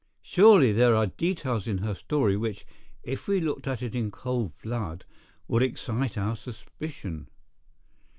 "Surely there are details in her story which, if we looked at in cold blood, would excite our suspicion.